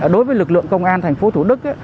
đối với lực lượng công an thành phố thủ đức